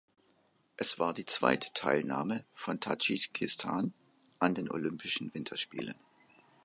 Es wat die zweite Teilnahme von Tadschikistan an den Olympischen Winterspielen.